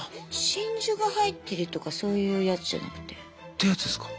真珠が入ってるとかそういうやつじゃなくて？ってやつですか？